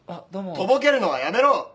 とぼけるのはやめろ！